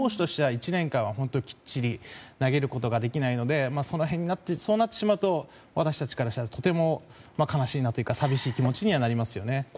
ただ、投手としては本当にきっちり投げることができないのでそうなってしまうと私たちからしても寂しい気持ちにはなりますよね。